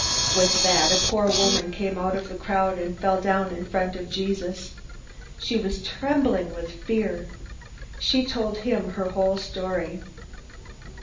With that, a poor woman came out of the crowd and fell down in front of Jesus. She was trembling with fear. She told him her whole story.